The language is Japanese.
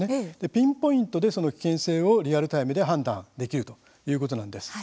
ピンポイントでその危険性をリアルタイムで判断できるということです。